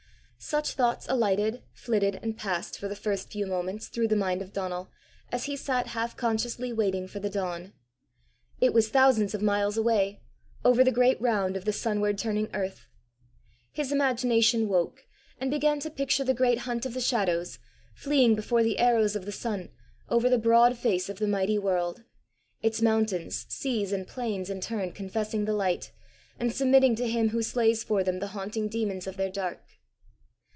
Such thoughts alighted, flitted, and passed, for the first few moments, through the mind of Donal, as he sat half consciously waiting for the dawn. It was thousands of miles away, over the great round of the sunward turning earth! His imagination woke, and began to picture the great hunt of the shadows, fleeing before the arrows of the sun, over the broad face of the mighty world its mountains, seas, and plains in turn confessing the light, and submitting to him who slays for them the haunting demons of their dark.